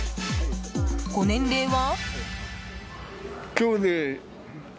ご年齢は？